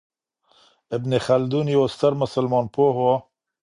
ابن خلدون یو ستر مسلمان پوه و.